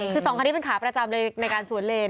คือ๒ครั้งที่เป็นขาประจำเลยในการสวนเลน